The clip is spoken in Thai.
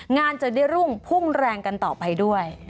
งานจะได้รุ่งพุ่งแรงกันต่อไปด้วย